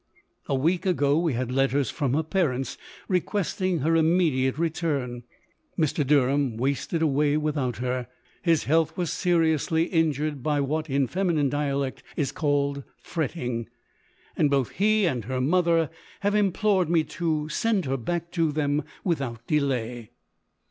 A week ago we had letters from her parents, requesting her immediate return. Mr. Derham wasted away without her; his health was seriously injured by what, in feminine dialect, is called fretting ; and both he and her mother have implored me to send her back to them without delay.""